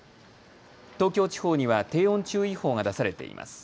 東京地方には低温注意報が出されています。